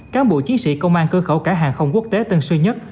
các bộ chiến sĩ công an cơ khẩu cả hàng không quốc tế tân sư nhất